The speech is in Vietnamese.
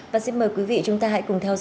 và xin mời quý vị chúng ta hãy cùng theo dõi